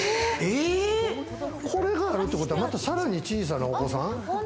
これがあるってことは、またさらに小さなお子さん？